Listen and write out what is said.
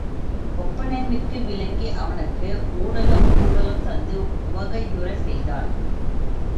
ஒப்பனைமிக்கு விளங்கி அவனுக்கு ஊடலும், கூடலும் தந்து உவகையுறச் செய்தாள்.